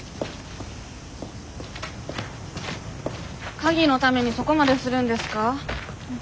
鍵のためにそこまでするんですか？